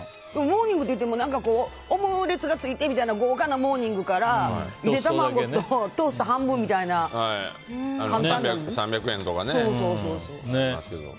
モーニングっていってもオムレツがついてみたいな豪華なモーニングからゆで卵とトースト半分みたいな３００円とかのもありますけど。